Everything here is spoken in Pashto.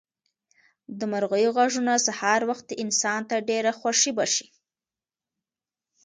د مرغیو غږونه سهار وختي انسان ته ډېره خوښي بښي.